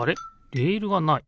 レールがない。